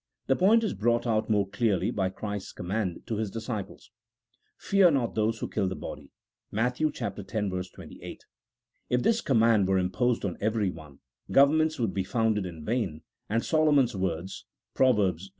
The point is brought out more clearly by Christ's command to His disciples, "Fear not those who kill the body " (Matt. x. 28). If this command were imposed on everyone, governments would be founded in vain, and Solomon's words (Pro v.